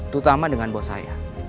terutama dengan bos saya